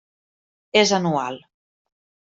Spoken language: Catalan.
És anual.